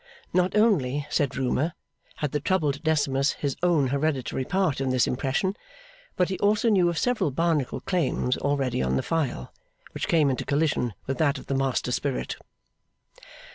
Not only (said Rumour) had the troubled Decimus his own hereditary part in this impression, but he also knew of several Barnacle claims already on the file, which came into collision with that of the master spirit.